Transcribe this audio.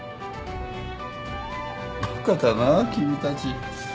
バカだなぁ君たち。